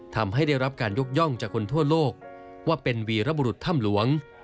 ทำให้ได้รับการยกย่องจากคนทั่วโลกว่าเป็นวีรบุรุษถ้ำหลวง